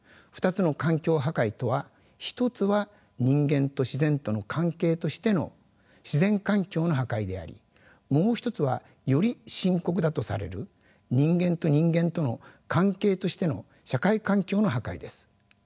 ２つの環境破壊とは一つは人間と自然との関係としての自然環境の破壊でありもう一つはより深刻だとされる人間と人間との関係としての社会環境の破壊です。